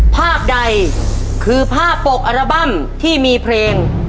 ภาพใดคือภาพปกอัลบั้มที่มีเพลง